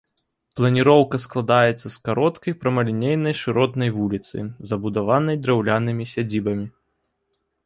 Планіроўка складаецца з кароткай прамалінейнай шыротнай вуліцы, забудаванай драўлянымі сядзібамі.